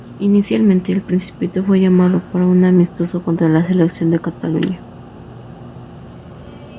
Inicialmente, el "principito" fue llamado para un amistoso contra la Selección de Cataluña.